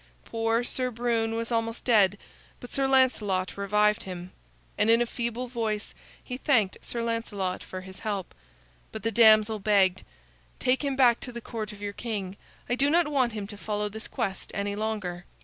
Poor Sir Brune was almost dead, but Sir Lancelot revived him, and in a feeble voice he thanked Sir Lancelot for his help. But the damsel begged: "Take him back to the Court of your king. I do not want him to follow this quest any longer."